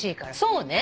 そうね